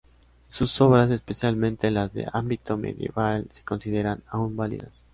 Sus obras, especialmente las de ámbito medieval, se consideran aún válidas.